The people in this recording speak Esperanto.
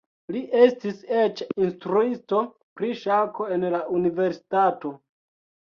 Li estis eĉ instruisto pri ŝako en la universitato.